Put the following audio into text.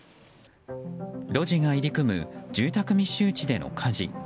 路地が入り組む住宅密集地での家事。